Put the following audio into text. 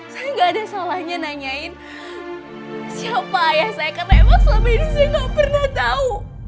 saya gak ada salahnya nanyain siapa ayah saya karena emang selama ini saya gak pernah tau